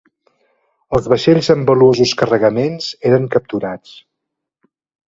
Els vaixells amb valuosos carregaments eren capturats.